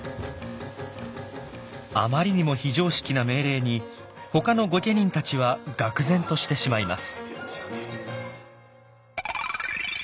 あまりにも非常識な命令にほかの御家人たちはがく然としてしまいます。